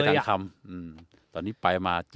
ไปทางธรรม